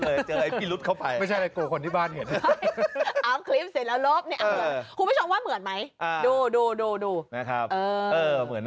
อ้าวแล้วไหนแฟนข่ารึหน่าเหมือน